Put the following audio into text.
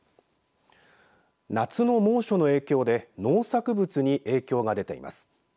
夏の猛暑の影響で農作物に影響が出ています。